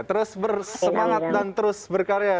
terus bersemangat dan terus berkarya